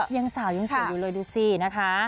ยังสาวยังสวยอยู่เลยดูสินะคะ